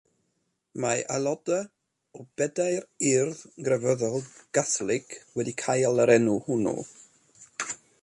Mae aelodau o bedair urdd grefyddol Gatholig wedi cael yr enw hwnnw.